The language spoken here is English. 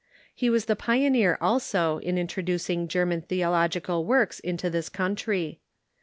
He was the pioneer also in introducing German theological w^orks into this country.